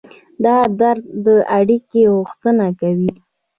دا درد د اړیکې غوښتنه کوي.